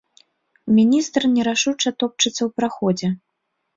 Міністр нерашуча топчацца ў праходзе.